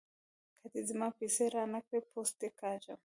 که دې زما پيسې را نه کړې؛ پوست دې کاږم.